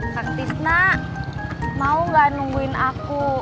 kang tisna mau gak nungguin aku